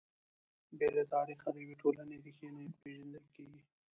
بې له تاریخه د یوې ټولنې ريښې نه پېژندل کیږي.